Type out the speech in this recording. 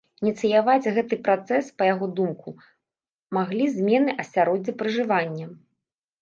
Ініцыяваць гэты працэс, па яго думку, маглі змены асяроддзя пражывання.